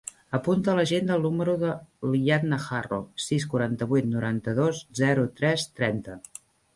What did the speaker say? Apunta a l'agenda el número de l'Iyad Najarro: sis, quaranta-vuit, noranta-dos, zero, tres, trenta.